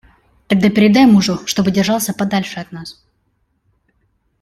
Тогда передай мужу, чтобы держался подальше от нас!